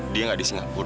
dia gak ada di singapura